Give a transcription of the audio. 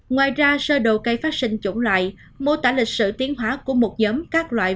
ngoài ra sơ đồ cây phát sinh chủng loại mô tả lịch sử tiến hóa của một nhóm các loại